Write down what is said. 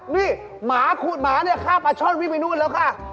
นี่หมาขูดหมาเนี่ยฆ่าปลาช่อนวิ่งไปนู่นแล้วค่ะ